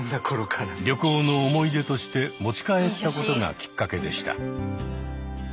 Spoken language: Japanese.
旅行の思い出として持ち帰ったことがきっかけでした。